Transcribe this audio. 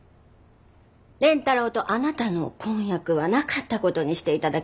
蓮太郎とあなたの婚約はなかったことにしていただきます。